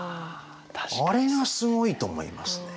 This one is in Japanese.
あれがすごいと思いますね。